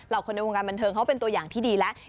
คนในวงการบันเทิงเขาเป็นตัวอย่างที่ดีแล้ว